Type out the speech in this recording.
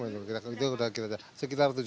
itu sudah kita lihat sekitar tujuh puluh lima an